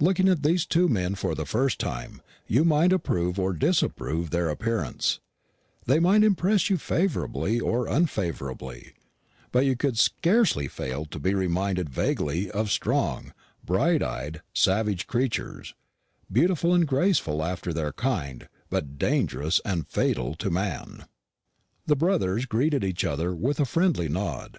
Looking at these two men for the first time, you might approve or disapprove their appearance; they might impress you favourably or unfavourably; but you could scarcely fail to be reminded vaguely of strong, bright eyed, savage creatures, beautiful and graceful after their kind, but dangerous and fatal to man. The brothers greeted each other with a friendly nod.